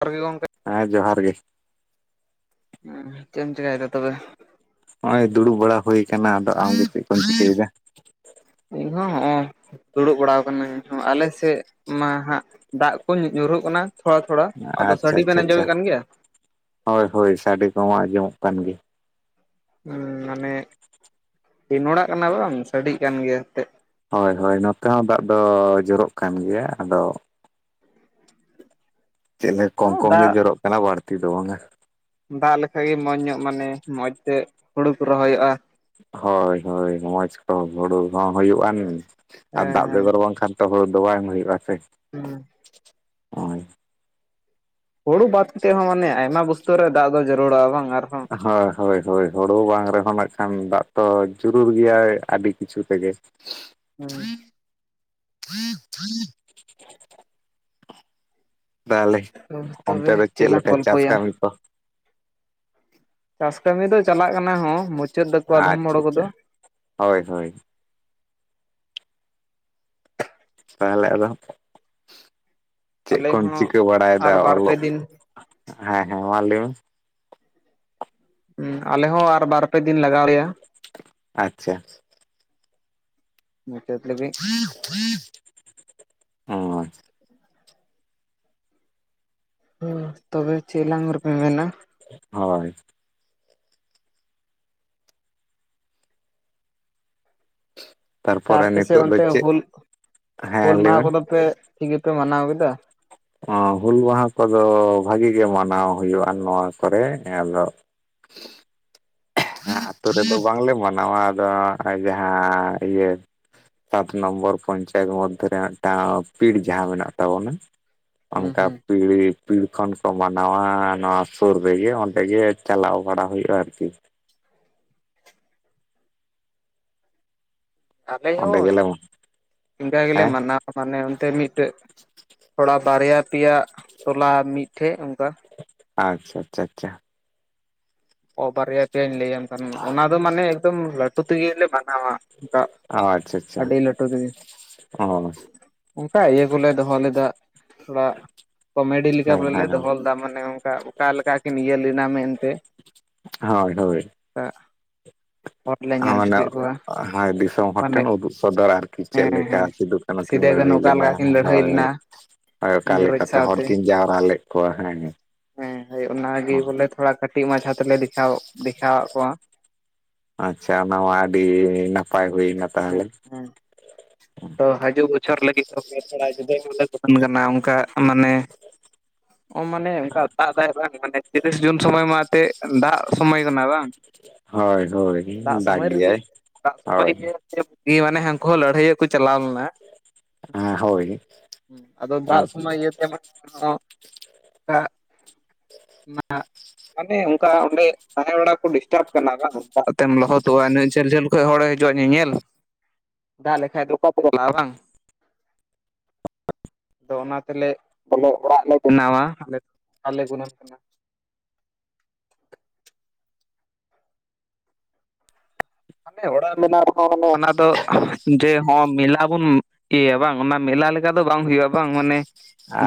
ᱡᱚᱦᱟᱨ ᱜᱮ ᱜᱚᱝᱠᱮ᱾ ᱦᱮᱸ, ᱡᱚᱦᱟᱨ ᱜᱮ᱾ ᱦᱩᱸ, ᱪᱮᱫ ᱮᱢ ᱪᱮᱠᱟᱭ ᱫᱟ ᱛᱚᱵᱮ? ᱱᱚᱜ-ᱚᱭ ᱫᱩᱲᱩᱵ ᱵᱟᱲᱟ ᱦᱩᱭ ᱠᱟᱱᱟ᱾ ᱟᱫᱚ ᱟᱢ ᱜᱮ ᱪᱮᱫ ᱠᱚᱢ ᱪᱤᱠᱟᱹᱭᱮᱫᱟ? ᱤᱧ ᱦᱚᱸ ᱦᱚᱸᱜ-ᱚᱭ ᱫᱩᱲᱩᱵ ᱵᱟᱲᱟᱣ ᱠᱟᱹᱱᱟᱹᱧ ᱤᱧ ᱦᱚᱸ ᱾ ᱟᱞᱮ ᱥᱮᱫ ᱢᱟ ᱦᱟᱸᱜ ᱫᱟᱜ ᱠᱚ ᱧᱩᱨᱦᱩᱜ ᱠᱟᱱᱟ ᱛᱷᱚᱲᱟ ᱛᱷᱚᱲᱟ, ᱟᱫᱚ ᱥᱟᱰᱮ ᱵᱮᱱ ᱟᱸᱡᱚᱢᱮᱫ ᱠᱟᱱ ᱜᱮᱭᱟ? ᱦᱚᱭ ᱦᱚᱭ, ᱥᱟᱰᱮ ᱠᱚᱦᱚᱸ ᱟᱸᱡᱚᱢᱚᱜ ᱠᱟᱱ ᱜᱮ᱾ ᱦᱩᱸ, ᱢᱟᱱᱮ ᱠᱤᱱ ᱚᱲᱟᱜ ᱠᱟᱱᱟ ᱵᱟᱝ ᱥᱟᱰᱮ ᱠᱟᱱ ᱜᱮᱭᱟ ᱮᱱᱛᱮ᱾ ᱦᱚᱭ ᱦᱚᱭ, ᱱᱚᱛᱮ ᱦᱚᱸ ᱫᱟᱜ ᱫᱚ ᱡᱚᱨᱚᱜ ᱠᱟᱱ ᱜᱮᱭᱟ᱾ ᱟᱫᱚ ᱪᱮᱫ ᱞᱮ ᱠᱚᱢ ᱠᱚᱢ ᱜᱮ ᱫᱟᱜ ᱡᱚᱨᱚᱜ ᱠᱟᱱᱟ ᱵᱟᱹᱲᱛᱤ ᱵᱟᱝ-ᱟ᱾ ᱫᱟᱜ ᱞᱮᱠᱟᱡ ᱜᱮ ᱢᱚᱸᱡᱽ ᱧᱚᱜ ᱢᱟᱱᱮ ᱢᱚᱸᱡᱽ ᱛᱮ ᱦᱩᱲᱩ ᱠᱚ ᱨᱚᱦᱚᱭᱚᱜ-ᱟ᱾ ᱦᱳᱭ ᱦᱳᱭ, ᱢᱚᱸᱡᱽ ᱠᱚ ᱦᱩᱲᱩ ᱦᱚᱸ ᱦᱩᱭᱩᱜ-ᱟᱱ ᱟᱨ ᱦᱮᱸ ᱫᱟᱜ ᱦᱮᱸ ᱵᱮᱜᱚᱨ ᱵᱟᱝᱠᱷᱟᱱ ᱡᱚᱛᱚ ᱦᱩᱲᱩ ᱫᱚ ᱵᱟᱝ ᱦᱩᱭᱩᱜ-ᱟ ᱥᱮ᱾ ᱦᱮᱸ ᱦᱳᱭ ᱾ ᱦᱩᱲᱩ ᱵᱟᱫᱽ ᱠᱟᱛᱮ ᱦᱚᱸ ᱢᱟᱱᱮ ᱟᱭᱢᱟ ᱚᱵᱩᱥᱛᱟ ᱨᱮ ᱫᱟᱜ ᱫᱚ ᱡᱟᱹᱨᱩᱲᱟ ᱵᱟᱝ ᱟᱨ ᱦᱳᱭ ᱦᱳᱭ ᱦᱳᱭ, ᱦᱳᱲᱳ ᱵᱟᱝ ᱨᱮᱦᱚᱸ ᱱᱟᱜ ᱠᱷᱟᱱ ᱫᱟᱜ ᱛᱚ ᱡᱩᱨᱩᱲ ᱜᱮᱭᱟᱭ ᱟᱹᱰᱤ ᱠᱤᱪᱷᱩ ᱨᱮᱜᱮ᱾ ᱦᱮᱸ ᱾ [inaudible] ᱛᱟᱦᱚᱞᱮ ᱚ, ᱚᱱᱛᱮ ᱛᱚᱵᱮ ᱫᱚ ᱪᱮᱫ ᱞᱟᱝ ᱞᱮᱠᱟ ᱪᱟᱥ ᱜᱚᱞᱯᱷᱚᱭᱟ? ᱠᱟᱹᱢᱤ ᱠᱚ ᱪᱟᱥ ᱠᱟᱹᱢᱤ ᱫᱚ ᱪᱟᱞᱟᱜ ᱠᱟᱱᱟ ᱦᱚᱸ ᱢᱩᱪᱟᱹᱫ ᱫᱟᱠᱚ ᱟᱫᱚᱢ ᱟᱪᱪᱷᱟ ᱦᱚᱲ ᱟᱪᱪᱷᱟ ᱠᱚᱫᱚ᱾ ᱦᱳᱭ ᱦᱳᱭ᱾ ᱛᱟᱦᱚᱞᱮ ᱟᱫᱚ, ᱪᱮᱫ ᱟᱞᱮ ᱠᱚᱢ ᱦᱚᱸ ᱪᱤᱠᱟᱹ ᱵᱟᱲᱟᱭᱮᱫᱟ ᱟᱨ ᱵᱟᱨ ᱯᱮ ᱚᱞᱚᱜ ᱫᱤᱱ ᱦᱮᱸ ᱦᱮᱸ, ᱢᱟ ᱞᱟᱹᱭ ᱢᱮ? ᱦᱩᱸ, ᱟᱞᱮ ᱦᱚᱸ ᱟᱨ ᱵᱟᱨ ᱯᱮ ᱫᱤᱱ ᱞᱟᱜᱟᱣ ᱞᱮᱭᱟ᱾ ᱟᱪᱪᱷᱟ᱾ ᱢᱩᱪᱟᱹᱫᱽ ᱞᱟᱹᱜᱤᱜ ᱦᱳᱭ ᱾ ᱦᱮᱸ, ᱛᱚᱵᱮ ᱪᱮᱫ ᱞᱟᱝ ᱨᱮᱯᱮ ᱢᱮᱱᱟ? ᱦᱳᱭ ᱾ ᱟᱪᱪᱷᱟ, ᱛᱟᱨᱯᱚᱨᱮ ᱟᱯᱮ ᱥᱮᱫ ᱱᱤᱛᱚᱜ ᱫᱚ ᱚᱱᱛᱮ ᱪᱮᱫ ᱦᱩᱞ, ᱦᱮᱸ ᱦᱩᱞ ᱞᱟᱹᱭ ᱢᱮ ᱢᱟᱦᱟᱸ ᱠᱚᱫᱚ ᱯᱮ ᱴᱷᱤᱠ ᱜᱮᱯᱮ ᱢᱟᱱᱟᱣ ᱠᱮᱫᱟ? ᱚ, ᱦᱩᱞ ᱢᱟᱦᱟᱸ ᱠᱚᱫᱚ ᱵᱷᱟᱹᱜᱤ ᱜᱮ ᱢᱟᱱᱟᱣ ᱦᱩᱭᱩᱜ-ᱟ ᱱᱚᱣᱟ ᱠᱚᱨᱮ᱾ᱟᱫᱚ ᱦᱮᱸ, ᱟᱹᱛᱩ ᱨᱮᱫᱚ ᱵᱟᱝᱞᱮ ᱢᱟᱱᱟᱣᱟ ᱟᱫᱚ ᱡᱟᱦᱟᱸ ᱤᱭᱟᱹ ᱥᱟᱛ ᱱᱚᱢᱵᱚᱨ ᱯᱚᱧᱪᱟᱭᱮᱛ ᱢᱚᱫᱽᱫᱷᱮ ᱨᱮ ᱢᱤᱫᱴᱟᱝ ᱯᱤᱲ ᱡᱟᱦᱟᱸ ᱢᱮᱱᱟᱜ ᱛᱟᱵᱚᱱᱟ᱾ ᱦᱩᱸ ᱚᱱᱠᱟ ᱦᱩᱸ ᱯᱤᱲ ᱦᱤᱯᱤᱲ ᱠᱷᱚᱱ ᱠᱚ ᱢᱟᱱᱟᱣᱟ ᱱᱚᱣᱟ ᱥᱩᱨ ᱨᱮᱜᱮ, ᱚᱸᱰᱮ ᱜᱮ ᱪᱟᱞᱟᱣ ᱵᱟᱲᱟ ᱦᱩᱭᱩᱜ-ᱟ ᱟᱨᱠᱤ᱾ ᱟᱞᱮ ᱚᱸᱰᱮ ᱦᱚᱸ ᱜᱮᱞᱮ ᱤᱱᱠᱟᱹ ᱜᱮᱞᱮ ᱦᱮᱸ ᱢᱟᱱᱟᱣ᱾ ᱢᱟᱱᱮ ᱚᱱᱛᱮ ᱢᱤᱫᱴᱮᱡ ᱛᱷᱚᱲᱟ ᱵᱟᱨᱭᱟ ᱯᱮᱭᱟ ᱴᱚᱞᱟ ᱢᱤᱫᱴᱷᱮᱡ ᱚᱱᱠᱟ᱾ ᱟᱪᱪᱷᱟ ᱟᱪᱪᱷᱟ ᱟᱪᱪᱷᱟ᱾ ᱚ, ᱵᱟᱨᱮᱭᱟ ᱯᱮᱭᱟᱹᱧ ᱞᱟᱹᱭᱟᱢ ᱠᱟᱱᱟ᱾ ᱚᱱᱟ ᱫᱚ ᱢᱟᱱᱮ ᱮᱠᱫᱚᱢ ᱞᱟᱹᱴᱩ ᱛᱮᱜᱮ ᱞᱮ ᱢᱟᱱᱟᱣᱟ᱾ ᱫᱟᱜ ᱚ ᱟᱪᱪᱷᱟ ᱟᱪᱪᱷᱟ ᱟᱹᱰᱤ ᱞᱟᱹᱴᱩ ᱛᱮᱜᱮ᱾ ᱚ ᱚᱱᱠᱟ ᱤᱭᱟᱹ ᱠᱚᱞᱮ ᱫᱚᱦᱚ ᱞᱮᱫᱟᱜ ᱛᱷᱚᱲᱟᱜ ᱠᱚᱢᱮᱰᱤ ᱞᱮᱠᱟ ᱦᱮᱸ ᱵᱚᱞᱮ ᱞᱮ ᱦᱮᱸ ᱫᱚᱦᱚ ᱞᱮᱫᱟ, ᱢᱟᱱᱮ ᱚᱱᱠᱟ ᱚᱠᱟ ᱞᱮᱠᱟ ᱠᱤᱱ ᱤᱭᱟᱹ ᱞᱮᱱᱟ ᱢᱮᱱᱛᱮ᱾ ᱦᱚᱭ ᱦᱳᱭ᱾ ᱮᱜ ᱾ ᱴᱷᱟᱶ ᱦᱤᱞᱚᱜ ᱚ ᱦᱮᱸ ᱫᱤᱥᱚᱢ ᱦᱚᱲ ᱢᱟᱱᱮ ᱴᱷᱮᱱ ᱩᱫᱩᱜ ᱥᱚᱫᱚᱨ ᱟᱨᱠᱤ ᱪᱮᱫ ᱦᱮᱸ ᱞᱮᱠᱟ ᱦᱮᱸ ᱪᱤᱫᱩᱜ? ᱠᱟᱹᱱᱩ ᱠᱤᱱ ᱥᱤᱫᱟᱹ ᱠᱟᱹᱱᱦᱩ ᱞᱟᱹᱲᱦᱟᱹᱭ ᱚᱠᱟ ᱞᱮᱠᱟ ᱞᱮᱱᱟ ᱠᱤᱱ ᱞᱟᱹᱲᱦᱟᱹᱭ ᱦᱳᱭ᱾ ᱞᱮᱱᱟ ᱦᱳᱭ, ᱚᱠᱟ ᱤᱝᱨᱮᱡᱽ ᱞᱮᱠᱟᱛᱮ ᱦᱚᱲ ᱥᱟᱶᱛᱮ ᱠᱤᱱ ᱡᱟᱣᱨᱟ ᱞᱮᱫ ᱠᱚᱣᱟ ᱦᱮᱸ? ᱦᱮᱸ ᱦᱳᱭ ᱚᱱᱟᱜᱮ ᱵᱚᱞᱮ ᱛᱷᱚᱲᱟ ᱠᱟᱹᱴᱤᱡ ᱢᱟᱪᱷᱟ ᱛᱮᱞᱮ ᱫᱮᱠᱷᱟᱣ, ᱫᱮᱠᱷᱟᱣᱟᱜ ᱠᱚᱣᱟ᱾ ᱟᱪᱪᱷᱟ ᱚᱱᱟ ᱢᱟ ᱟᱹᱰᱤ ᱱᱟᱯᱟᱭ ᱦᱩᱭᱱᱟ ᱦᱮᱸ ᱛᱟᱦᱞᱮ᱾ ᱦᱮᱸ ᱛᱚ ᱦᱟᱹᱡᱩᱜ ᱵᱚᱪᱷᱚᱨ ᱞᱟᱹᱜᱤᱫ ᱛᱚᱵᱮ ᱛᱷᱚᱲᱟ ᱡᱩᱫᱟᱹ ᱧᱚᱜ ᱞᱮ ᱫᱚᱠᱟᱱ ᱠᱟᱱᱟ ᱚᱱᱠᱟ᱾ ᱢᱟᱱᱮ, ᱚ ᱢᱟᱱᱮ ᱚᱱᱠᱟ ᱫᱟᱜ ᱫᱟᱭ ᱵᱟᱝ ᱢᱟᱱᱮ᱾ ᱛᱤᱨᱤᱥ ᱡᱩᱱ ᱥᱚᱢᱚᱭ ᱢᱟ ᱮᱛᱮᱡ ᱫᱟᱜ ᱥᱚᱢᱚᱭ ᱠᱟᱱᱟ ᱵᱟᱝ? ᱦᱚᱭ ᱦᱳᱭ ᱫᱟᱜ ᱜᱮᱭᱟᱭ᱾ ᱱᱚᱜ-ᱚᱭ ᱦᱳᱭ ᱱᱤᱭᱟᱹ ᱛᱟᱭᱚᱢ, ᱤᱭᱟᱹ ᱢᱟᱱᱮ ᱦᱟᱱᱠᱩ ᱦᱚᱸ ᱞᱟᱹᱲᱦᱟᱹᱭᱚᱜ ᱠᱚ ᱪᱟᱞᱟᱣ ᱞᱮᱱᱟ᱾ ᱦᱳᱭ ᱦᱩᱸ ᱟᱫᱚ ᱫᱟᱜ ᱥᱚᱢᱚᱭ ᱤᱭᱟᱹ ᱛᱮ ᱢᱟᱱᱮ ᱚᱸᱜ ᱫᱟᱜ ᱚᱱᱟ᱾ ᱢᱟᱱᱮ ᱚᱱᱠᱟ ᱚᱸᱰᱮ ᱛᱟᱦᱮᱸ ᱵᱟᱲᱟ ᱠᱚ ᱰᱤᱥᱴᱟᱯ ᱠᱟᱱᱟ ᱵᱟᱝ, ᱫᱟᱜ ᱛᱮᱢ ᱞᱚᱦᱚᱫᱚᱜ-ᱟ᱾ ᱤᱱᱟᱹᱜ ᱡᱷᱟᱹᱞ ᱡᱷᱟᱹᱞ ᱠᱷᱚᱡ ᱦᱚᱲᱮ ᱦᱟᱹ ᱡᱚᱜ-ᱟ, ᱧᱮᱧᱮᱞ᱾ᱫᱟᱜ ᱞᱮᱠᱷᱟᱡ ᱫᱚ ᱚᱠᱟ ᱯᱮ ᱪᱟᱞᱟᱜ-ᱟ᱾ᱵᱟᱝ? ᱟᱫᱚ ᱚᱱᱟ ᱛᱮᱞᱮᱜ ᱵᱚᱞᱮ ᱚᱲᱟᱜ ᱞᱮ ᱵᱮᱱᱟᱣᱟ ᱟᱞᱮ, ᱟᱞᱮ ᱜᱩᱱᱟᱹᱧ ᱠᱟᱱᱟ᱾ ᱦᱟᱱᱮ ᱚᱲᱟᱜ ᱢᱮᱱᱟᱜ ᱨᱮᱦᱚᱸ‌ᱢᱟᱱᱮ ᱚᱱᱟ ᱫᱚ ᱡᱮ ᱦᱚᱸ ᱢᱮᱞᱟ ᱵᱚᱱ ᱤᱭᱟᱹ ᱵᱟᱝ ᱚᱱᱟ ᱢᱮᱞᱟ ᱞᱮᱠᱟ ᱫᱚ ᱵᱟᱝ ᱦᱩᱭᱩᱜ-ᱟ᱾ ᱵᱟᱝ ᱢᱟᱱᱮ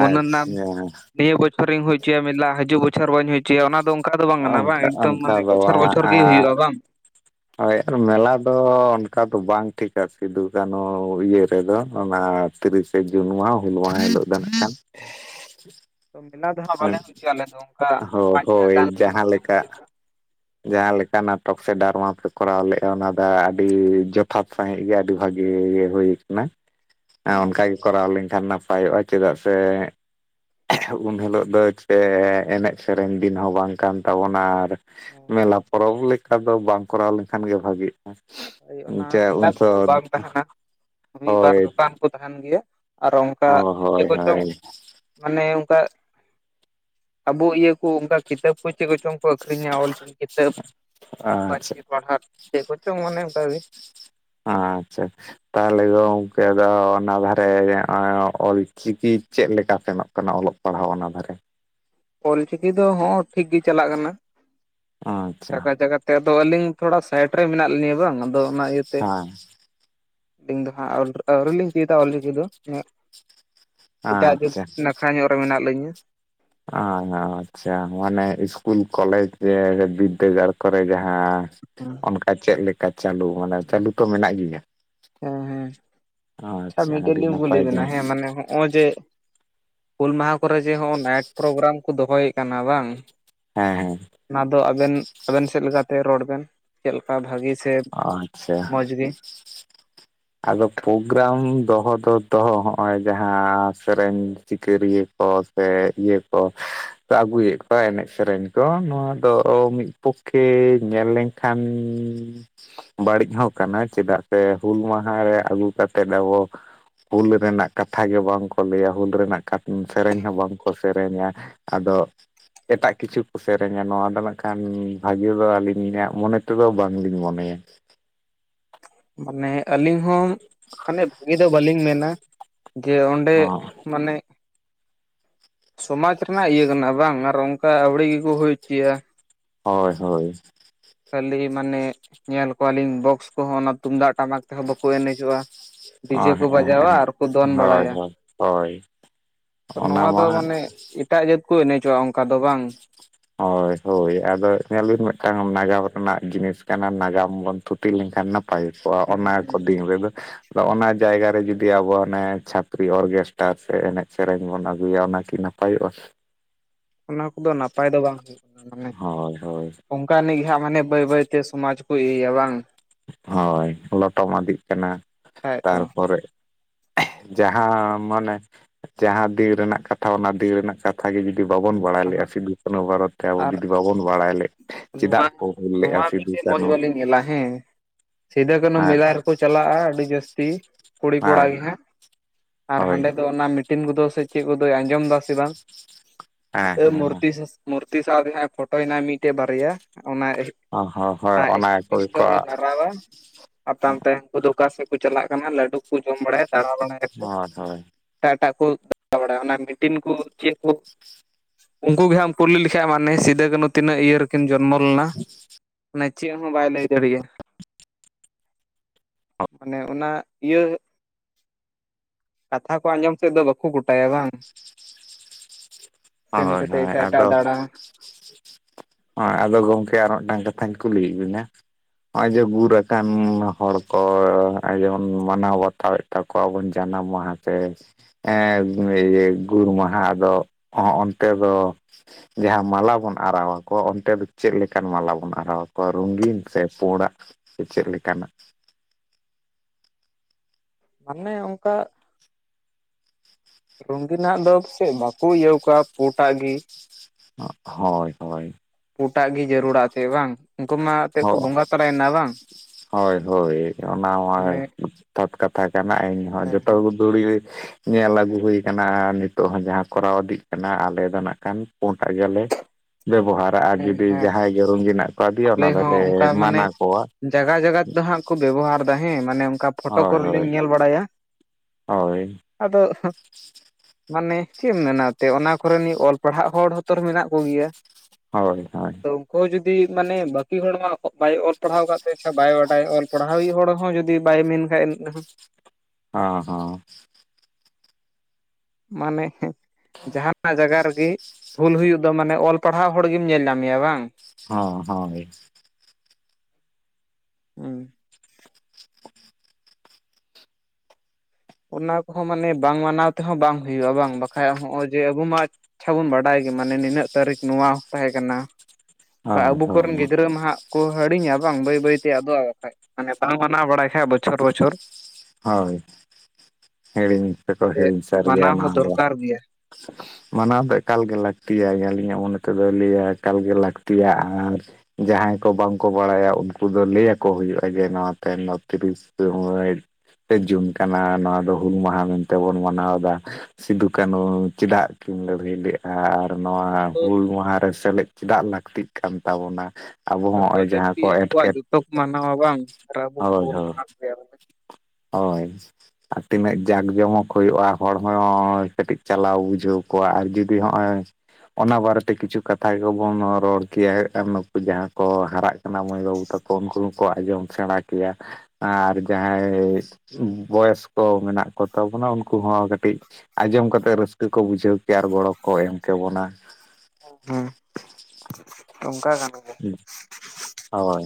ᱜᱩᱱᱟᱹᱱᱟᱢ ᱱᱤᱭᱟᱹ ᱵᱚᱪᱷᱚᱨᱤᱧ ᱦᱩᱭ ᱪᱩᱭᱟ ᱢᱮᱞᱟ᱾ ᱦᱟᱹᱡᱩᱜ ᱵᱚᱪᱷᱚᱨ ᱵᱟᱹᱧ ᱦᱩᱭ ᱪᱚᱭᱟ, ᱚᱱᱟ ᱫᱚ ᱚᱱᱠᱟ ᱫᱚ ᱵᱟᱝ ᱠᱟᱱᱟ ᱵᱟᱝ ᱚᱱᱠᱟ ᱮᱠᱫᱚᱢ ᱚᱱᱠᱟ ᱢᱟᱱᱮ ᱫᱚ ᱵᱚᱪᱷᱚᱨ ᱵᱟᱝ ᱵᱚᱪᱷᱚᱨ ᱜᱮ ᱟᱨ ᱦᱩᱭᱩᱜ-ᱟ᱾ ᱵᱟᱝ? ᱦᱳᱭ ᱟᱨ ᱢᱮᱞᱟ ᱫᱚ ᱚᱱᱠᱟ ᱫᱚ ᱵᱟᱝ ᱴᱷᱤᱠᱟ ᱥᱤᱫᱩ ᱠᱟᱹᱱᱩ ᱤᱭᱟᱹ ᱨᱮᱫᱚ ᱚᱱᱟ ᱾ ᱛᱤᱨᱤᱥᱮ ᱡᱩᱱ ᱱᱚᱶᱟ ᱦᱩᱞ ᱢᱟᱦᱟᱸ ᱦᱤᱞᱳᱜ ᱫᱚ ᱟᱱ ᱠᱷᱟᱱ ᱾ ᱛᱚ ᱢᱮᱞᱟ ᱫᱚ ᱦᱟᱸᱜ ᱵᱟᱞᱮ ᱦᱩᱭ ᱪᱚᱭᱟ ᱟᱞᱮ ᱫᱚ, ᱚᱱᱠᱟ ᱦᱳ ᱯᱟᱸᱪᱴᱟ ᱜᱟᱱ ᱦᱳᱭ ᱨᱮᱜᱮ ᱡᱟᱦᱟᱸ ᱞᱮ ᱞᱮᱠᱟ ᱢᱩᱪᱟᱹᱫᱟ ᱾ ᱡᱟᱦᱟᱸ ᱞᱮᱠᱟ ᱱᱟᱴᱚᱠ ᱥᱮ ᱰᱟᱨᱢᱟ ᱯᱮ ᱠᱚᱨᱟᱣ ᱞᱮᱫ-ᱟ᱾ᱚᱱᱟ ᱫᱚ ᱟᱹᱰᱤ ᱡᱚᱼᱼ ᱛᱟᱷᱨᱯᱚᱨᱮ ᱤᱭᱟᱹ ᱟᱹᱰᱤ ᱵᱷᱟᱜᱮ ᱜᱮ ᱦᱩᱭ ᱠᱟᱱᱟ ᱾ ᱦᱮᱸ ᱚᱱᱠᱟ ᱜᱮ ᱠᱚᱨᱟᱣ ᱞᱮᱱᱠᱷᱟᱱ ᱱᱟᱯᱟᱭᱚᱜ-ᱟ᱾ ᱪᱮᱫᱟᱜ ᱥᱮ ᱩᱱ ᱦᱤᱞᱳᱜ ᱫᱚ ᱪᱮ ᱮᱱᱮᱡ ᱥᱮᱨᱮᱧ ᱫᱤᱱ ᱦᱚᱸ ᱵᱟᱝ ᱠᱟᱱ ᱛᱟᱵᱚᱱᱟ ᱟᱨ ᱾ ᱟᱫᱚ ᱵᱟᱝ ᱠᱚᱨᱟᱣ ᱞᱮᱱᱠᱷᱟᱱ ᱜᱮ ᱵᱷᱟᱹᱜᱮᱜ᱾ ᱦᱳᱭ ᱚᱱᱟ ᱢᱮᱞᱟ ᱠᱚ ᱵᱟᱝ ᱛᱟᱦᱮᱱᱟ᱾ ᱢᱤᱫ ᱵᱟᱨ ᱦᱳᱭ ᱫᱚᱠᱟᱱ ᱠᱚ ᱛᱟᱦᱮᱱ ᱜᱮᱭᱟ ᱾ ᱟᱨᱚ ᱚᱱᱠᱟ ᱪᱮᱫ ᱦᱳᱭ ᱠᱚᱪᱚᱝ ᱦᱳᱭ ᱢᱟᱱᱮ ᱚᱱᱠᱟ ᱟᱵᱚ ᱤᱭᱟᱹ ᱠᱚ ᱚᱱᱠᱟ ᱠᱤᱛᱟᱹᱵᱽ ᱠᱚ ᱪᱮᱫ ᱠᱚᱪᱚᱝ ᱠᱚ ᱟᱹᱠᱷᱨᱤᱧᱟ᱾ ᱚᱞ ᱪᱤᱠᱤ ᱠᱤᱛᱟᱹᱵᱽ ᱟᱪᱪᱷᱟ ᱯᱟᱹᱧᱪᱤ ᱯᱟᱲᱦᱟᱸᱴ ᱾ ᱪᱮᱫ ᱠᱚᱪᱚᱝ ᱢᱚᱱᱮ ᱚᱱᱠᱟᱜᱮ ᱾ ᱟᱪᱪᱷᱟ ᱟᱪᱪᱷᱟ᱾ ᱛᱟᱦᱚᱞᱮ ᱜᱚᱝᱠᱮ ᱫᱚ ᱚᱱᱟ ᱫᱷᱟᱨᱮ ᱡᱮ ᱦᱚᱜ-ᱚᱸᱭ ᱚᱞ ᱪᱤᱠᱤ ᱪᱮᱫ ᱞᱮᱠᱟ ᱥᱮᱱᱚᱜ ᱠᱟᱱᱟ ᱚᱞᱚᱜ? ᱯᱟᱲᱦᱟᱣ ᱚᱱᱟ ᱫᱷᱟᱨᱮ᱾ ᱚᱞᱪᱤᱠᱤ ᱫᱚ ᱦᱚᱸ ᱴᱷᱤᱠ ᱜᱮ ᱪᱟᱞᱟᱜ ᱠᱟᱱᱟ, ᱟᱪᱪᱷᱟ ᱪᱟᱠᱟ ᱪᱟᱠᱟ ᱾ ᱛᱮ ᱫᱚ ᱟᱹᱞᱤᱧ ᱛᱷᱚᱲᱟ ᱥᱟᱭᱤᱴ ᱨᱮ ᱢᱮᱱᱟᱜ ᱞᱤᱧᱟᱹ ᱵᱟᱝ ᱟᱫᱚ ᱚᱱᱟ ᱤᱭᱟᱹᱛᱮ᱾ ᱦᱮᱸ ᱟᱹᱞᱤᱧ ᱫᱚ ᱦᱟᱸᱜ ᱟᱹᱣᱨᱤ, ᱟᱹᱣᱨᱤ ᱞᱤᱧ ᱪᱤᱫᱟ ᱚᱞ ᱪᱤᱠᱤ ᱫᱚ ᱦᱮᱸᱜ᱾ ᱮᱴᱟᱜ ᱡᱟᱹᱛ ᱟᱪᱪᱷᱟ ᱱᱟᱠᱷᱟ ᱧᱚᱜ ᱨᱮ ᱢᱮᱱᱟᱜ ᱞᱤᱧᱟᱹ᱾ ᱟ ᱦᱟᱸ ᱟᱪᱪᱷᱟ, ᱢᱟᱱᱮ ᱤᱥᱠᱩᱞ ᱠᱚᱞᱮᱡᱽ ᱨᱮ ᱵᱤᱫᱫᱟᱹᱜᱟᱲ ᱠᱚᱨᱮ ᱡᱟᱦᱟᱸ᱾ ᱦᱮᱸ ᱚᱱᱠᱟ ᱪᱮᱫ ᱞᱮᱠᱟ ᱪᱟᱹᱞᱩ, ᱢᱟᱱᱮ ᱪᱟᱹᱞᱩ ᱛᱚ ᱢᱮᱱᱟᱜ ᱜᱮᱭᱟ? ᱦᱮᱸ ᱦᱮᱸ ᱟᱪᱪᱷᱟ ᱢᱤᱫᱴᱮᱱ ᱟᱹᱰᱤ ᱞᱤᱧ ᱠᱩᱞᱤ ᱱᱟᱯᱟᱭ ᱵᱮᱱᱟ ᱡᱤᱱᱤᱥ ᱦᱮᱸ ᱢᱟᱱᱮ ᱦᱚᱜᱼᱚᱭ ᱡᱮ ᱦᱩᱞ ᱢᱟᱦᱟ ᱠᱚᱨᱮ ᱡᱮ ᱦᱚᱜ-ᱚᱭ ᱱᱟᱭᱤᱴ ᱯᱨᱳᱜᱨᱟᱢ ᱠᱚ ᱫᱚᱦᱚᱭᱮᱜ ᱠᱟᱱᱟ ᱵᱟᱝ? ᱦᱮᱸ ᱦᱮᱸ ᱾ ᱚᱱᱟ ᱫᱚ ᱟᱵᱮᱱ-ᱟᱵᱮᱱ ᱥᱮᱫ ᱞᱮᱠᱟᱛᱮ ᱨᱚᱲ ᱵᱮᱱ ᱪᱮᱫ ᱞᱮᱠᱟ ᱵᱷᱟᱜᱤ ᱥᱮ ᱟᱪᱪᱷᱟ ᱾ ᱢᱚᱸᱡᱽ ᱜᱮ ᱟᱫᱚ ᱯᱨᱳᱜᱨᱟᱢ ᱫᱚᱦᱚ ᱫᱚᱛᱚ ᱦᱚᱜᱼᱚᱭ ᱡᱟᱦᱟᱸ ᱥᱮᱨᱮᱧ ᱪᱤᱠᱟᱹᱨᱤᱭᱟᱹ ᱠᱚ ᱥᱮ ᱤᱭᱟᱹ ᱠᱚ ᱟᱹᱜᱩᱭᱮᱫ ᱠᱚᱣᱟ ᱮᱱᱮᱡ ᱥᱮᱨᱮᱧ ᱠᱚ ᱱᱚᱣᱟ ᱫᱚ ᱢᱤᱫ ᱯᱚᱠᱠᱷᱮ ᱧᱮᱞ ᱞᱮᱱ ᱠᱷᱟᱱ ᱵᱟᱹᱲᱤᱡ ᱦᱚᱸ ᱠᱟᱱᱟ ᱪᱮᱫᱟᱜ ᱥᱮ ᱦᱩᱞ ᱢᱟᱦ [unintelligible] ᱟᱹᱜᱩ ᱠᱟᱛᱮᱫ ᱟᱵᱚ ᱦᱩᱞ ᱨᱮᱱᱟᱜ ᱠᱟᱛᱷᱟ ᱜᱮ ᱵᱟᱝᱠᱚ ᱞᱟᱹᱭᱟ, ᱦᱩᱞ ᱨᱮᱱᱟᱜ ᱥᱮᱨᱮᱧ ᱦᱚᱸ ᱵᱟᱝᱠᱚ ᱥᱮᱨᱮᱧᱟ ᱾ ᱟᱫᱚ ᱮᱴᱟᱜ ᱠᱤᱪᱷᱩ ᱠᱚ ᱥᱮᱨᱮᱧᱟ ᱱᱚᱣᱟ ᱫᱚ ᱱᱟᱜ ᱠᱷᱟᱱ ᱵᱷᱟᱜᱮ ᱫᱚ ᱟᱹᱞᱤᱧᱟᱜ ᱢᱚᱱᱮ ᱛᱮᱫᱚ ᱵᱟᱝ ᱞᱤᱧ ᱢᱚᱱᱮᱭᱟ ᱾ ᱢᱟᱱᱮ ᱟᱹᱞᱤᱧ ᱦᱚᱸ ᱢᱟᱱᱮ ᱵᱷᱟᱹᱜᱤ ᱫᱚ ᱵᱟᱹᱞᱤᱧ ᱢᱮᱱᱟ ᱾ ᱜᱮ ᱚᱸᱰᱮ, ᱢᱟᱱᱮ ᱥᱚᱢᱟᱡᱽ ᱨᱮᱱᱟᱜ ᱤᱭᱟᱹ ᱠᱟᱱᱟ ᱵᱟᱝ, ᱟᱨ ᱚᱱᱠᱟ ᱟᱹᱣᱲᱤ ᱜᱮᱠᱚ ᱦᱩᱭ ᱦᱚᱪᱚᱭᱟ ᱾ ᱦᱳᱭ, ᱦᱳᱭ ᱾ ᱠᱷᱟᱹᱞᱤ ᱢᱟᱱᱮ ᱧᱮᱞ ᱠᱚᱣᱟᱞᱤᱧ ᱵᱚᱠᱥ ᱠᱚᱦᱚᱸ ᱚᱱᱟ ᱛᱩᱢᱫᱟᱜ ᱴᱟᱢᱟᱠ ᱛᱮᱦᱚᱸ ᱵᱟᱠᱚ ᱮᱱᱮᱡᱚᱜᱼᱟ ᱾ ᱰᱤᱡᱮ ᱠᱚ ᱵᱟᱡᱟᱣᱟ ᱦᱮᱸ ᱟᱨᱠᱚ ᱫᱚᱱ ᱦᱳᱭ ᱵᱟᱲᱟᱭᱟ ᱦᱳᱭ ᱦᱳᱭ ᱾ ᱛᱚ ᱚᱱᱟ ᱱᱚᱣᱟ ᱫᱚ ᱢᱟ ᱢᱟᱱᱮ ᱮᱴᱟᱜ ᱡᱟᱹᱛ ᱠᱚ ᱮᱱᱮᱡᱚᱜᱼᱟ, ᱚᱱᱠᱟ ᱫᱚ ᱵᱟᱝ? ᱦᱳᱭ ᱦᱳᱭ ᱟᱫᱚ ᱧᱮᱞ ᱵᱤᱱ ᱱᱟᱜ ᱠᱷᱟᱱ ᱱᱟᱜᱟᱢ ᱨᱮᱱᱟᱜ ᱡᱤᱱᱤᱥ ᱠᱟᱱᱟ ᱱᱟᱜᱟᱢ ᱵᱚᱱ ᱛᱷᱩᱛᱤ ᱞᱮᱠᱷᱟᱱ ᱱᱟᱯ ᱯᱟᱭ ᱠᱚᱼᱟ ᱦᱩᱸ ᱚᱱᱟ ᱦᱩᱸ ᱠᱚ ᱫᱤᱱ ᱨᱮᱫᱚ ᱾ ᱟᱫᱚ ᱚᱱᱟ ᱡᱟᱭᱜᱟ ᱨᱮ ᱡᱩᱫᱤ ᱟᱵᱚ ᱚᱱᱮ ᱪᱷᱟᱯᱨᱤ ᱚᱨᱜᱮᱥᱴᱟᱨ ᱥᱮ ᱮᱱᱮᱡ ᱥᱮᱨᱮᱧ ᱵᱚᱱ ᱟᱹᱜᱩᱭᱟ ᱚᱱᱟ ᱠᱤ ᱱᱟ ᱯᱟᱭᱚᱜ-ᱟ ᱚᱱᱟ ᱠᱚᱫᱚ ᱱᱟᱯᱟᱭ ᱫᱚ ᱵᱟᱝ ᱦᱩᱭᱩᱜ ᱠᱟᱱᱟ, ᱢᱟᱱᱮ ᱦᱳᱭ ᱦᱳᱭ ᱚᱱᱠᱟᱱᱤᱡ ᱜᱮ ᱦᱟᱸᱜ ᱢᱟᱱᱮ ᱵᱟᱹᱭ ᱵᱟᱹᱭ ᱛᱮ ᱥᱚᱢᱟᱡᱽ ᱠᱚ ᱤᱭᱟᱹᱭᱟ ᱵᱟᱝ? ᱦᱳᱭ ᱞᱚᱴᱚᱢ ᱤᱫᱤᱜ ᱠᱟᱱᱟ ᱠᱷᱟᱡ ᱫᱚ ᱛᱟᱨᱯᱚᱨᱮ ᱡᱟᱦᱟᱸ ᱢᱟᱱᱮ ᱡᱟᱦᱟᱸ ᱫᱤᱱ ᱨᱮᱱᱟᱜ ᱠᱟᱛᱷᱟ ᱚᱱᱟ ᱫᱤᱱ ᱨᱮᱱᱟᱜ ᱠᱟᱛᱷᱟ ᱜᱮ ᱡᱩᱫᱤ ᱡᱩᱫᱤ ᱵᱟᱵᱚᱱ ᱵᱟᱲᱟᱭ ᱞᱮᱜᱼᱟ ᱱᱟᱦᱟᱜ ᱥᱤᱫᱩ ᱠᱟᱱᱩ ᱵᱟᱨᱮ ᱛᱮ ᱟᱵᱚ ᱟᱨ ᱡᱩᱫᱤ ᱵᱟᱵᱚᱱ ᱵᱟᱲᱟᱭ ᱞᱮᱜ ᱪᱮᱫᱟᱜ ᱱᱚᱣᱟ ᱠᱚ ᱦᱩᱞ ᱞᱮᱜᱼᱟ ᱱᱚᱣᱟ ᱥᱤᱫᱩ ᱠᱟᱹᱱᱩ? ᱧᱮᱞᱟ ᱦᱮᱸ ᱥᱤᱫᱩ ᱠᱟᱹᱱᱩ ᱦᱮᱸ ᱢᱮᱞᱟ ᱨᱮᱠᱚ ᱪᱟᱞᱟᱜᱼᱟ ᱟᱹᱰᱤ ᱡᱟᱹᱥᱛᱤ ᱠᱩᱲᱤ ᱠᱚᱲᱟ ᱦᱳᱭ ᱜᱮ ᱦᱟᱸᱜ᱾ ᱟᱨ ᱦᱳᱭ ᱦᱟᱸᱰᱮ ᱫᱚ ᱚᱱᱟ ᱢᱤᱴᱤᱱ ᱠᱚᱫᱚ ᱥᱮ ᱪᱮᱫ ᱠᱚᱫᱚᱭ ᱟᱸᱡᱚᱢ ᱫᱟᱥᱮ ᱵᱟᱝ ᱦᱮᱸ ᱮᱭ ᱦᱮᱸ ᱢᱩᱨᱛᱤ ᱢᱩᱨᱛᱤ ᱥᱟᱶ ᱜᱮ ᱦᱟᱸᱜ ᱯᱷᱳᱴᱳᱭ ᱱᱟ ᱢᱤᱫᱴᱮᱡ ᱵᱟᱨᱭᱟ᱾ ᱚᱱᱟ ᱦᱳᱭ ᱦᱳᱭ -ᱚᱱᱟ ᱠᱚᱜᱮ ᱠᱚ ᱥᱴᱳᱨᱤ ᱢᱟᱨᱟᱣᱟ᱾ ᱟᱨ ᱛᱟᱭᱚᱢ ᱛᱮ ᱩᱱᱠᱩ ᱫᱚ ᱚᱠᱟ ᱥᱮᱫ ᱠᱚ ᱪᱟᱞᱟᱜ ᱠᱟᱱᱟ ᱞᱟᱹᱰᱩ ᱠᱚ ᱠᱚ ᱡᱚᱢ ᱵᱟᱲᱟᱭᱟ᱾ ᱫᱟᱸᱬᱟ ᱵᱟᱲᱟᱭᱟᱠᱚ, ᱦᱳᱭ ᱦᱳᱭ ᱮᱴᱟᱜ ᱮᱴᱟᱜ ᱠᱚ ᱵᱟᱲᱟᱭᱟ ᱚᱱᱟ ᱢᱤᱴᱤᱱ ᱠᱚ ᱪᱮᱫ ᱠᱚ ᱩᱱᱠᱩ ᱜᱮ ᱦᱟᱸᱜ ᱮᱢ ᱠᱩᱞᱤ ᱞᱮᱠᱷᱟᱡ ᱢᱟ ᱱᱮᱥ ᱥᱤᱫᱩ ᱠᱟᱹᱱᱩ ᱛᱤᱱᱟᱹᱜ ᱤᱭᱟᱹ ᱨᱮᱠᱤᱱ ᱡᱚᱱᱢᱚ ᱞᱮᱱᱟ ᱢᱟᱱᱮ ᱪᱮᱫ ᱦᱚᱸ ᱵᱟᱭ ᱞᱟᱹᱭ ᱫᱟᱲᱤᱜᱼᱟ᱾ ᱢᱟᱱᱮ ᱚᱱᱟ ᱤᱭᱟᱹ ᱠᱟᱛᱷᱟ ᱠᱚ ᱟᱸᱡᱚᱢ ᱥᱮᱫ ᱫᱚ ᱵᱟᱠᱚ ᱜᱚᱴᱟᱭᱟ ᱵᱟᱝ? ᱥᱮᱱ ᱦᱳᱭ ᱠᱟᱛᱮ ᱮᱴᱟᱜ ᱮᱴᱟᱜ ᱫᱟᱸᱬᱟ᱾ ᱦᱚᱜ-ᱚᱭ ᱟᱫᱚ ᱜᱚᱢᱠᱮ ᱟᱨᱚ ᱢᱤᱫᱴᱟᱝ ᱠᱟᱛᱷᱟᱧ ᱠᱩᱞᱤᱭᱮᱫ ᱵᱤᱱᱟ ᱦᱚᱸᱜᱼᱚᱭ ᱡᱮ ᱜᱩᱨ ᱟᱠᱟᱱ ᱦᱚᱲ ᱠᱚ ᱟᱨ ᱡᱮᱢᱚᱱ ᱢᱟᱱᱟᱣ ᱵᱟᱛᱟᱣᱮᱫ ᱛᱟᱠᱚᱣᱟ ᱡᱟᱱᱟᱢ ᱢᱟᱦᱟ ᱥᱮ ᱮᱸᱜ ᱤᱭᱟᱹ ᱜᱩᱨ ᱢᱟᱦᱟ ᱟᱫᱚ ᱚᱱᱛᱮ ᱫᱚ᱾ ᱡᱟᱦᱟᱸ ᱢᱟᱞᱟ ᱵᱚᱱ ᱟᱨᱟᱣ ᱟᱠᱚᱣᱟ, ᱚᱱᱛᱮ ᱫᱚ ᱪᱮᱫ ᱞᱮᱠᱟᱱ ᱢᱟᱞᱟ ᱵᱚᱱ ᱟᱨᱟᱣᱟ ᱠᱚᱣᱟ ᱨᱚᱝᱜᱤᱱ ᱥᱮ ᱯᱳᱸᱲᱟᱜ᱾ ᱥᱮ ᱪᱮᱫ ᱞᱮᱠᱟᱱᱟᱜ᱾ ᱢᱟᱱᱮ ᱚᱱᱠᱟ᱾ ᱨᱚᱝᱜᱤᱱᱟᱜ ᱫᱚ ᱯᱟᱥᱮᱫ ᱵᱟᱠᱚ ᱤᱭᱟᱹᱣ ᱟᱠᱚᱣᱟ ᱯᱩᱸᱴᱟᱜ ᱜᱤ᱾ ᱚ ᱦᱳᱭ ᱦᱳᱭ᱾ ᱯᱳᱸᱴᱟᱜ ᱜᱮ ᱡᱟᱹᱨᱩᱲᱟ ᱮᱱᱛᱮᱫ ᱵᱟᱝ, ᱩᱱᱠᱩ ᱢᱟ ᱮᱱᱛᱮᱫ ᱠᱚ ᱵᱚᱸᱜᱟ ᱛᱚᱞᱟᱭᱮᱱᱟ ᱵᱟᱝ᱾ ᱦᱳᱭ ᱦᱳᱭ ᱚᱱᱟ ᱢᱟ ᱢᱟᱱᱮ ᱡᱚᱛᱷᱟᱛ ᱠᱟᱛᱷᱟ ᱠᱟᱱᱟ ᱤᱧᱦᱚᱸ ᱦᱮᱸ ᱡᱚᱛᱚ ᱦᱮᱸ ᱜᱮ ᱜᱷᱩᱲᱤ ᱧᱮᱞ ᱟᱹᱜᱩ ᱦᱩᱭ ᱠᱟᱱᱟ ᱟᱨ ᱱᱤᱛᱚᱜ ᱦᱚᱸ ᱡᱟᱦᱟᱸ ᱠᱚᱨᱟᱣ ᱤᱫᱤᱜ ᱠᱟᱱᱟ ᱟᱞᱮ ᱫᱚ ᱱᱟᱜ ᱠᱷᱟᱱ ᱯᱳᱸᱴᱟᱜ ᱜᱮᱞᱮ ᱵᱮᱵᱚᱦᱟᱨᱟᱜ-ᱟ ᱟᱨ ᱦᱮᱸ ᱡᱩᱫᱤ ᱦᱮᱸ ᱡᱟᱦᱟᱸᱭ ᱜᱮ ᱨᱚᱸᱜᱤᱱᱟᱜ ᱠᱚ ᱟᱫᱤᱭᱟ ᱚᱱᱟ ᱫᱚᱞᱮ ᱢᱟᱱᱟ ᱠᱚᱣᱟ᱾ ᱡᱟᱭᱜᱟ ᱡᱟᱭᱜᱟ ᱛᱮᱫᱚ ᱦᱟᱸᱜ ᱠᱚ ᱵᱮᱵᱚᱦᱟᱨ ᱫᱟ ᱦᱮᱸ, ᱢᱟᱱᱮ ᱚᱱᱠᱟ ᱯᱷᱳᱴᱳ ᱦᱳᱭ ᱠᱚᱨᱮ ᱦᱳᱭ ᱞᱤᱧ ᱧᱮᱞ ᱵᱟᱲᱟᱭᱟ᱾ ᱦᱳᱭ᱾ ᱟᱫᱚ ᱢᱟᱱᱮ ᱪᱮᱫ ᱢᱮᱱᱟᱜ ᱛᱮ ᱚᱱᱟ ᱠᱚᱨᱮᱱ ᱚᱞ ᱯᱟᱲᱦᱟᱜ ᱦᱚᱲ ᱦᱚᱸᱛᱚ ᱢᱮᱱᱟᱜ ᱠᱚᱜᱮᱭᱟ᱾ ᱦᱳᱭ ᱦᱳᱭ᱾ ᱦᱳᱭ ᱡᱩᱫᱤ᱾ ᱢᱟᱱᱮ ᱵᱟᱹᱠᱤ ᱦᱚᱲ ᱢᱟ ᱵᱟᱭ ᱚᱞ ᱯᱟᱲᱦᱟᱣ ᱟᱠᱟᱫ ᱛᱮ ᱟᱪᱪᱷᱟ ᱵᱟᱭ ᱵᱟᱰᱟᱭ ᱚᱞ ᱯᱟᱲᱦᱟᱣᱤᱡ ᱦᱚᱲ ᱦᱚᱸ ᱡᱩᱫᱤ ᱵᱟᱭ ᱢᱮᱱ ᱠᱷᱟᱡ ᱦᱚᱸ ᱦᱚᱸ᱾ ᱢᱟᱱᱮ, ᱡᱟᱸᱦᱟᱱᱟᱜ ᱡᱟᱭᱜᱟ ᱨᱮᱜᱮ᱾ ᱵᱷᱩᱞ ᱦᱩᱭᱩᱜ ᱫᱚ ᱢᱟᱱᱮ ᱚᱞ ᱯᱟᱲᱦᱟᱣ ᱦᱚᱲ ᱜᱮᱢ ᱧᱮᱞ ᱧᱟᱢᱮᱭᱟ ᱵᱟᱝ᱾ ᱦᱚᱸ ᱦᱳᱭ᱾ [inaudible] ᱦᱩᱸ᱾ ᱟᱱᱟ ᱠᱚᱦᱚᱸ ᱢᱟᱱᱮ ᱵᱟᱝ ᱢᱟᱱᱟᱣ ᱛᱮᱦᱚᱸ ᱵᱟᱝ ᱦᱩᱭᱩᱜ-ᱟ ᱵᱟᱝ ᱵᱟᱠᱷᱟᱡ ᱦᱚᱸᱜ-ᱚᱭ ᱡᱮ ᱟᱵᱩ ᱢᱟ ᱟᱪᱪᱷᱟ ᱵᱚᱱ ᱵᱟᱰᱟᱭ ᱜᱮ ᱢᱟᱱᱮ ᱱᱤᱱᱟᱹᱜ ᱛᱟᱹᱨᱤᱠᱷ ᱱᱚᱣᱟ ᱛᱟᱦᱮᱸ ᱠᱟᱱᱟ᱾ ᱦᱳᱭ ᱟᱵᱩ ᱠᱚᱨᱮᱱ ᱦᱳᱭ ᱜᱤᱫᱽᱨᱟᱹ ᱢᱟ ᱦᱟᱸᱜ ᱠᱚ ᱦᱤᱲᱤᱧᱟ ᱵᱟᱝ ᱵᱟᱹᱭ ᱵᱟᱹᱭ ᱛᱮ ᱟᱫᱚᱜ-ᱟ ᱵᱟᱠᱷᱟᱡ, ᱢᱟᱱᱮ ᱵᱟᱝ ᱢᱟᱱᱟᱣ ᱵᱟᱲᱟᱭ ᱠᱷᱟᱡ ᱵᱚᱪᱷᱚᱨ ᱵᱚᱪᱷᱚᱨ᱾ ᱦᱳᱭ, ᱦᱤᱲᱤᱧ ᱛᱮᱠᱚ ᱛᱮ ᱦᱤᱲᱤᱧ ᱥᱟᱹᱨᱤᱭᱟ ᱢᱟᱱᱟᱣ ᱚᱱᱟ ᱦᱚᱸ ᱫᱚ᱾ ᱫᱚᱨᱠᱟᱨ [inaudible] ᱢᱟᱱᱟᱣ ᱫᱚ ᱮᱠᱟᱞᱜᱮ ᱞᱟᱹᱠᱛᱤᱭᱟ ᱟᱹᱞᱤᱧᱟᱜ ᱢᱚᱱᱮ ᱛᱮᱫᱚᱭ ᱞᱟᱹᱭᱟ ᱮᱠᱟᱞ ᱜᱮ ᱞᱟᱹᱠᱛᱤᱭᱟ ᱟᱨ ᱡᱟᱦᱟᱸᱭ ᱠᱚ ᱵᱟᱝᱠᱚ ᱵᱟᱲᱟᱭᱟ ᱩᱱᱠᱩ ᱫᱚ ᱞᱟᱹᱭ ᱟᱠᱚ ᱦᱩᱭᱩᱜ-ᱟ ᱡᱮ ᱱᱚᱣᱟ ᱛᱮ ᱱᱚ ᱛᱤᱨᱤᱥ [unintelligible] ᱯᱮ ᱡᱩᱱ ᱠᱟᱱᱟ ᱱᱚᱣᱟ ᱫᱚ ᱦᱩᱞ ᱢᱟᱦᱟ ᱢᱮᱱᱛᱮ ᱵᱚᱱ ᱢᱟᱱᱟᱣ ᱮᱫᱟ᱾ ᱥᱤᱫᱩ ᱠᱟᱹᱱᱩ ᱪᱮᱫᱟᱜ ᱠᱤᱱ ᱞᱟᱹᱲᱦᱟᱹᱭ ᱞᱮᱫ ᱟᱨ ᱱᱚᱣᱟ ᱛᱚ ᱦᱩᱞ ᱢᱟᱦᱟᱨ ᱨᱮ ᱥᱮᱞᱮᱫ ᱪᱮᱫᱟᱜ ᱞᱟᱹᱠᱛᱤᱜ ᱠᱟᱱ ᱛᱟᱵᱚᱱᱟ᱾ ᱟᱵᱚ ᱡᱚᱛᱚ ᱦᱚᱸᱜ-ᱚᱭ ᱡᱟᱦᱟᱸ ᱡᱟᱹᱛᱤ ᱠᱚ ᱟᱠᱚᱣᱟᱜ ᱮᱴᱠᱮᱴ ᱡᱚᱛᱚ ᱠᱚ ᱢᱟᱱᱟᱣᱟ ᱵᱟᱝ ᱟᱨ ᱟᱵᱚ [inaudible] ᱦᱳᱭ ᱦᱳᱭ᱾ ᱢᱟᱱᱟᱣ ᱜᱮᱭᱟ ᱵᱚᱞᱮ᱾ ᱦᱳᱭᱺ ᱟᱨ ᱛᱤᱱᱟᱹᱜ ᱡᱟᱠ ᱡᱚᱢᱚᱠ ᱦᱩᱭᱩᱜᱳᱜ-ᱟ ᱦᱚᱲ ᱦᱚᱸ ᱠᱟᱹᱴᱤᱡ ᱪᱟᱞᱟᱣ ᱵᱩᱡᱷᱟᱹᱣ᱾ ᱠᱚᱣᱟᱜ ᱟᱨ ᱡᱩᱫᱤ ᱦᱚᱜ-ᱚᱭ᱾ ᱚᱱᱟ ᱵᱟᱨᱮᱛᱮ ᱠᱤᱪᱷᱩ ᱠᱟᱛᱷᱟ ᱜᱮᱵᱚᱱ ᱨᱚᱲ ᱠᱮᱭᱟ᱾ [unintelligible] ᱡᱟᱦᱟᱸ ᱠᱚ ᱦᱟᱨᱟᱜ ᱢᱟᱹᱭ ᱵᱟᱹᱵᱩ ᱛᱟᱠᱚ ᱩᱱᱠᱩ ᱦᱚᱸᱠᱚ ᱟᱸᱡᱚᱢ ᱥᱮᱬᱟ ᱠᱮᱭᱟ, ᱟᱨ ᱡᱟᱦᱟᱸ ᱡᱟᱦᱟᱸᱭ ᱵᱚᱭᱚᱥ ᱠᱚ ᱢᱮᱱᱟᱜ ᱠᱚᱛᱟ ᱵᱚᱱᱟ ᱩᱱᱠᱩ ᱦᱚᱸ ᱠᱟᱹᱴᱤᱡ᱾ ᱟᱸᱡᱚᱢ ᱠᱟᱛᱮᱜ ᱨᱟᱹᱥᱠᱟᱹ ᱠᱚ ᱵᱩᱡᱷᱟᱹᱣ ᱠᱮᱭᱟ ᱟᱨ ᱜᱚᱲᱚ ᱠᱚ ᱮᱢ ᱠᱮᱵᱚᱱᱟ᱾ ᱦᱮᱸ ᱚᱱᱠᱟ ᱠᱟᱱ ᱜᱮᱭᱟ᱾ ᱩ ᱦᱳᱭ᱾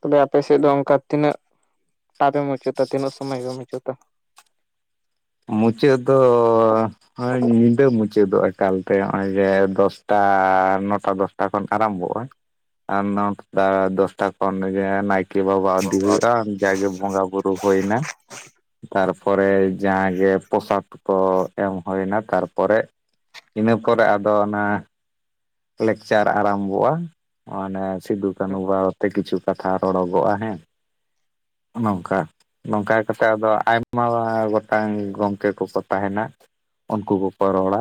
ᱛᱚᱵᱮ ᱟᱯᱮᱥᱮᱫ ᱫᱚ ᱚᱱᱠᱟ ᱛᱤᱱᱟᱹᱜ ᱴᱟᱯᱮ ᱢᱩᱪᱟᱹᱫᱟ ᱛᱤᱱᱟᱹᱜ ᱥᱚᱢᱚᱭ ᱯᱮ ᱢᱩᱪᱟᱹᱛᱟ᱾ ᱢᱩᱪᱟᱹᱫ ᱫᱚᱼᱼᱼ ᱦᱳᱭ ᱧᱤᱫᱟᱹ ᱢᱩᱪᱟᱹᱫᱚᱜ ᱮᱠᱟᱞᱛᱮ ᱱᱚᱜᱼᱚᱭ ᱡᱮ ᱫᱚᱥᱴᱟ ᱱᱚᱴᱟ ᱫᱚᱥᱴᱟ᱾ ᱟ ᱠᱷᱚᱱ ᱟᱨᱟᱢᱵᱷᱚᱜᱼᱟ ᱟᱨ ᱱᱚᱴᱟ ᱫᱚᱥᱴᱟ ᱠᱷᱚᱱ ᱱᱟᱭᱠᱮᱼᱼ ᱱᱟᱭᱠᱮ ᱵᱟᱵᱟ ᱫᱤᱨᱤᱜᱼᱟ ᱡᱟᱜᱮ ᱵᱚᱸᱜᱟ ᱵᱩᱨᱩ ᱦᱩᱭᱳ ᱮᱱᱟ ᱛᱟᱨᱯᱚᱨᱮ ᱼᱼᱼ ᱡᱟᱦᱟᱸ ᱜᱮ ᱯᱳᱥᱟᱠ ᱠᱚ ᱮᱢ ᱦᱩᱭᱱᱟ ᱛᱟᱨᱯᱚᱨᱮᱼᱼ ᱤᱱᱟᱹ ᱯᱚᱨᱮ ᱟᱫᱚ ᱚᱱᱟᱼᱼᱼᱼ ᱞᱮᱠᱪᱟᱨ ᱟᱨᱟᱢᱵᱷᱚᱜᱼᱟ ᱢᱟᱱᱮ ᱥᱤᱫᱩ ᱠᱟᱹᱱᱦᱩ ᱵᱟᱨᱮᱛᱮ ᱠᱤᱪᱷᱩ ᱠᱟᱛᱷᱟ ᱨᱚᱲᱚᱜᱚᱜᱼᱟ ᱦᱮᱸ᱾ ᱱᱚᱝᱠᱟ ᱱᱚᱝᱠᱟ ᱠᱟᱛᱮᱫ ᱟᱫᱚ ᱟᱭᱢᱟ ᱜᱚᱴᱟᱝ ᱜᱚᱢᱠᱮ ᱠᱚᱠᱚ ᱛᱟᱦᱮᱱᱟ᱾ ᱩᱱᱠᱩ ᱠᱚᱠᱚ ᱨᱚᱲᱟ᱾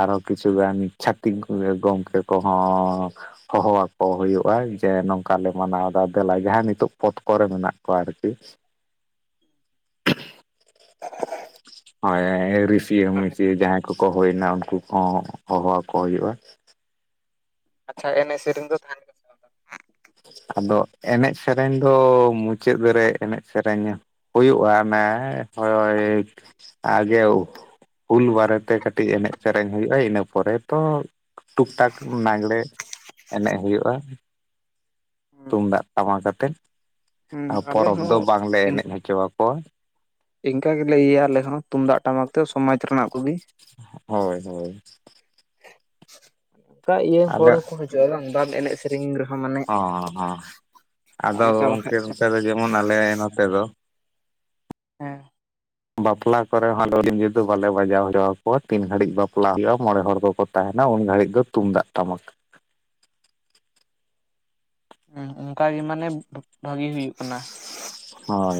ᱟᱨ ᱦᱚᱹ ᱠᱤᱪᱩ ᱜᱟᱱ ᱪᱷᱟᱛᱤᱠ ᱜᱚᱢᱠᱮ ᱠᱚ ᱦᱚᱸᱼᱼᱼᱼᱼ ᱦᱚᱦᱚ ᱟᱠᱚ ᱦᱩᱭᱩᱜᱼᱟ ᱡᱮ ᱱᱚᱝᱠᱟ ᱞᱮ ᱢᱟᱱᱟᱣᱫᱟ ᱫᱮᱞᱟ ᱡᱟᱦᱟᱸ ᱱᱤᱛᱚᱜ ᱯᱚᱛᱼᱼᱼ ᱠᱚᱨᱮ ᱢᱮᱱᱟᱜ ᱠᱚᱣᱟ ᱟᱨᱠᱤᱼᱼᱼᱼ [inaudible] ᱦᱳᱭ ᱨᱤᱥᱤᱭᱟᱹ ᱢᱤᱥᱤᱭᱟ ᱡᱟᱦᱟᱸᱭ ᱠᱚᱠᱚ ᱦᱩᱭᱱᱟ ᱩᱱᱠᱩ ᱠᱚᱦᱚᱸ ᱦᱚᱦᱚ ᱟᱠᱚ ᱦᱩᱭᱜᱼᱟᱼᱼ ᱟᱪᱪᱷᱟ ᱮᱱᱮᱡ ᱥᱮᱨᱮ ᱫᱚ ᱛᱟᱦᱮᱱᱟᱼᱼᱼ ᱟᱫᱚ ᱮᱱᱮᱡ ᱥᱮᱨᱮᱧ ᱫᱚ ᱢᱩᱪᱟᱹᱫ ᱨᱮ ᱮᱱᱮᱡ ᱥᱮᱨᱮᱧᱟ᱾ ᱦᱩᱭᱩᱜᱼᱟ ᱚᱱᱮ ᱦᱳᱭᱳᱭᱮᱡᱼᱼᱼ ᱟᱸ ᱡᱮ ᱦᱩᱞ ᱵᱟᱨᱮᱛᱮ ᱠᱟᱹᱴᱤᱡ ᱮᱱᱮᱡ ᱥᱮᱨᱮᱧ ᱦᱩᱭᱩᱜᱼᱟ ᱤᱱᱟᱹ ᱯᱚᱨᱮ ᱛᱚᱼᱼᱼ ᱴᱩᱠ ᱴᱟᱠ ᱞᱟᱜᱽᱬᱮ ᱮᱱᱮᱡ ᱦᱩᱭᱩᱜᱼᱟ᱾ ᱵᱟᱝ? ᱛᱩᱢᱫᱟᱜ ᱴᱟᱢᱟᱠᱟᱛᱮᱫ ᱦᱩᱸ ᱟᱨ ᱟᱞᱮ ᱯᱚᱨᱚᱵᱽ ᱫᱚ ᱦᱚᱸ ᱵᱟᱝᱞᱮ ᱮᱱᱮᱡ ᱦᱚᱪᱚ ᱟᱠᱚᱣᱟ᱾ ᱮᱱᱠᱟ ᱜᱮᱞᱮ ᱤᱭᱟᱹᱭᱟ ᱟᱞᱮ ᱦᱚᱸ ᱛᱩᱢᱫᱟᱜ ᱴᱟᱢᱟᱠ ᱛᱮ ᱥᱚᱢᱟᱡᱽ ᱨᱮᱱᱟᱜ ᱠᱚᱜᱮᱼᱼ ᱦᱳᱭ ᱦᱳᱭ [inaudible] ᱚᱱᱠᱟ ᱤᱭᱟᱹ ᱦᱚᱲ ᱟᱞᱮ ᱦᱚᱸᱠᱚ ᱦᱤᱡᱩᱜᱼᱟ ᱵᱟᱝ ᱮᱱᱮᱡ ᱥᱮᱨᱮᱧ ᱨᱮᱦᱚᱸ ᱢᱟᱱᱮᱼᱼ ᱦᱚᱸ ᱦᱚᱸ ᱟᱫᱚ ᱜᱚᱢᱠᱮ ᱚᱱᱛᱮ ᱫᱚ ᱡᱮᱢᱚᱱ ᱟᱞᱮ ᱱᱚᱛᱮ ᱫᱚᱼᱼ ᱦᱮᱸ ᱵᱟᱯᱞᱟ ᱠᱚᱨᱮ ᱦᱚᱸ ᱟᱞᱮ ᱫᱚ ᱰᱤᱡᱮ ᱫᱚ ᱵᱟᱞᱮ ᱵᱟᱡᱟᱣ ᱦᱚᱪᱚᱣᱟᱠᱚᱣᱟ ᱛᱤᱱ ᱜᱷᱟᱹᱲᱤᱡ ᱵᱟᱯᱞᱟ ᱦᱩᱭᱩᱜᱼᱟ ᱢᱚᱬᱮ ᱦᱚᱲ ᱠᱚᱠᱚᱼᱼᱼ ᱛᱟᱦᱮᱱᱟ ᱩᱱ ᱜᱷᱟᱨᱤᱡ ᱫᱚ ᱛᱩᱢᱫᱟᱜ ᱴᱟᱢᱟᱠᱼᱼᱼ ᱦᱮᱸ ᱚᱱᱠᱟᱜᱮ ᱢᱟᱱᱮ ᱵᱷᱟᱜᱤ ᱦᱩᱭᱩᱜ ᱠᱟᱱᱟ᱾ ᱦᱳᱭ